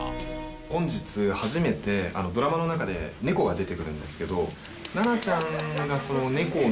本日初めてあのドラマの中でネコが出てくるんですけどあ